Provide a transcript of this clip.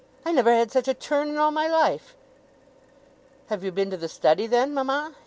'I never had such a turn in all my life!' 'Have you been to the Study, then, mama?